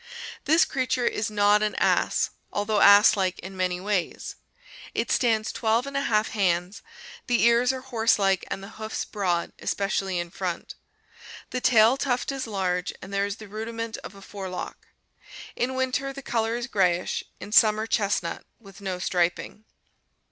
This creature is not an ass although ass like in many ways. It stands i2# hands, the ears are horse like and the hoofs broad, especially in front. The tail tuft is large and there is the rudiment of a forelock. In winter the color is grayish, in summer chestnut, with no striping.